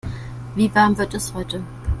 Wie warm wird es heute?